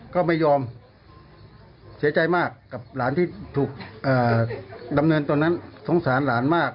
ก็ไม่ยอมเสียใจมากกับหลานที่ถูกดำเนินตอนนั้นสงสารหลานมาก